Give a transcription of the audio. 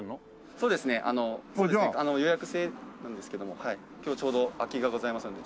予約制なんですけども今日ちょうど空きがございますので。